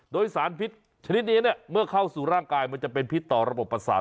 โดยสารพิษชนิดนี้เมื่อเข้าสู่ร่างกายมันจะเป็นพิษต่อระบบประสาท